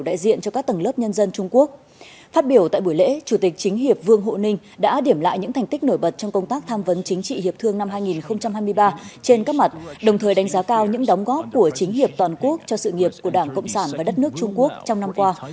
đã điểm lại những thành tích nổi bật trong công tác tham vấn chính trị hiệp thương năm hai nghìn hai mươi ba trên các mặt đồng thời đánh giá cao những đóng góp của chính hiệp toàn quốc cho sự nghiệp của đảng cộng sản và đất nước trung quốc trong năm qua